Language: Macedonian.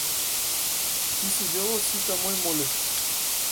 Ти си дел од сите мои молитви.